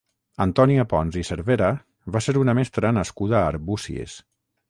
Antònia Pons i Cervera va ser una mestra nascuda a Arbúcies.